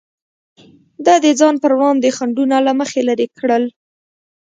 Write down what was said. ده د ځان پر وړاندې خنډونه له مخې لرې کړل.